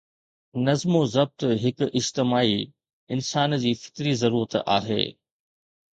نظم و ضبط هڪ اجتماعي انسان جي فطري ضرورت آهي.